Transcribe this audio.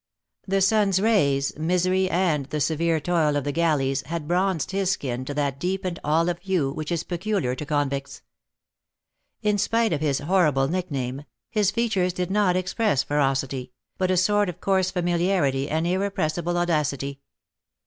The sun's rays, misery, and the severe toil of the galleys had bronzed his skin to that deep and olive hue which is peculiar to convicts. In spite of his horrible nickname, his features did not express ferocity, but a sort of coarse familiarity and irrepressible audacity.